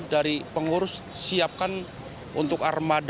dari pengurus siapkan untuk armada